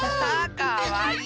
かわいい！